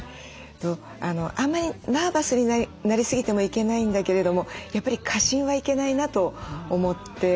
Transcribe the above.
あんまりナーバスになりすぎてもいけないんだけれどもやっぱり過信はいけないなと思って。